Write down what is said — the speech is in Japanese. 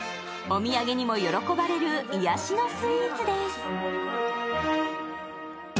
お土産にも喜ばれる癒しのスイーツです。